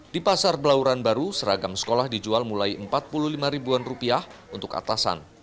di pasar belauran baru seragam sekolah dijual mulai empat puluh lima ribuan rupiah untuk atasan